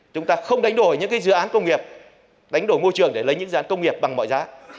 chúng ta không đánh đổi những dự án công nghiệp đánh đổi môi trường để lấy những dự án công nghiệp bằng mọi giá